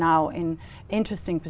tôi thích nó